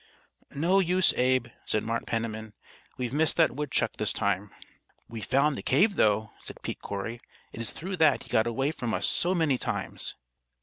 "No use, Abe," said Mart Penniman. "We've missed that woodchuck this time." "We've found the cave, though," said Pete Corry. "It's through that he got away from us so many times."